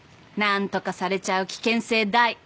何とかされちゃう危険性大。